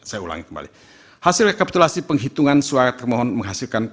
saya ulangi kembali hasil rekapitulasi penghitungan suara termohon menghasilkan